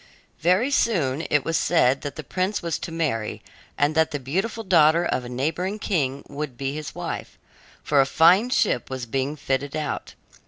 Very soon it was said that the prince was to marry and that the beautiful daughter of a neighboring king would be his wife, for a fine ship was being fitted out.